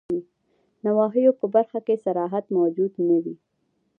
نواهیو په برخه کي صراحت موجود نه وي.